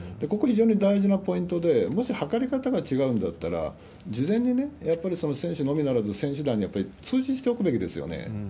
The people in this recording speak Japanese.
ここ、非常に大事なポイントで、もし測り方が違うんだったら、事前にやっぱりその選手のみならず選手団に、やっぱり通知しておくべきですよね。